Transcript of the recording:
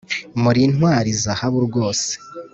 muri intwari zahabu rwose,